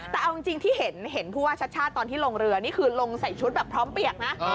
แต่เอาจริงที่เห็นผู้ว่าชาติชาติตอนที่ลงเรือนี่คือลงใส่ชุดแบบพร้อมเปียกนะ